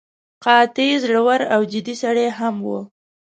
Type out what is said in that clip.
قاطع، زړور او جدي سړی هم و.